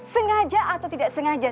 sengaja atau tidak sengaja